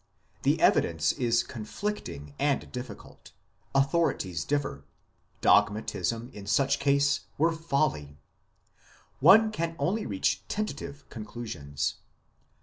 The evidence is conflicting and difficult ; authorities differ ; dogmatism in such case were folly ; one can only reach tentative con clusions.